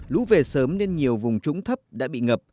lũ về sớm nên nhiều vùng trũng thấp đã bị ngập